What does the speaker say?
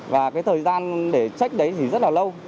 và cái thời gian để trách đấy thì rất là lâu